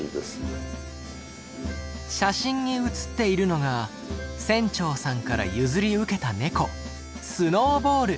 写真に写っているのが船長さんから譲り受けたネコスノーボール。